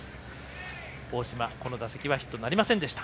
大島、この打席はヒットなりませんでした。